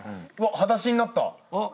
はだしになった。